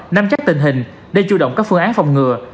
nắm chắc tình hình để chủ động các phương án phòng ngừa